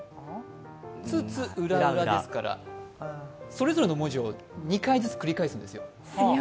津々浦々ですから、それぞれの文字を２回ずつ繰り返すんです。